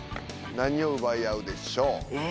何を奪い合うでしょう？え。